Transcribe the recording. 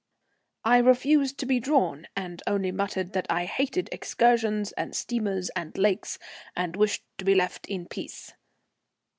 I refused to be drawn, and only muttered that I hated excursions and steamers and lakes, and wished to be left in peace.